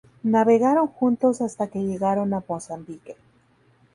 Navegaron juntos hasta que llegaron a Mozambique.